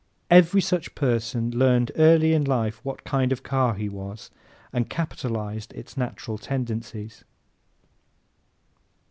Every such person learned early in life what kind of car he was and capitalized its natural tendencies.